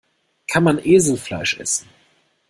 Kann man Eselfleisch essen?